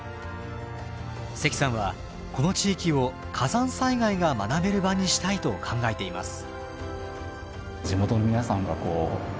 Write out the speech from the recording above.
関さんはこの地域を火山災害が学べる場にしたいと考えています。